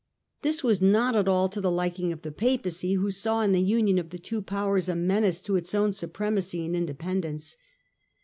This was not at all to the liking of the Papacy, who saw in the union of the two Powers a menace to its own supremacy and independence.